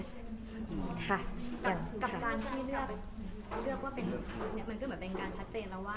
กับการที่เลือกเลือกว่าเป็นมันก็เหมือนเป็นการชัดเจนแล้วว่า